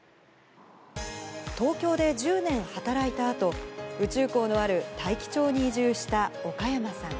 東京で１０年働いたあと、宇宙港のある大樹町に移住した岡山さん。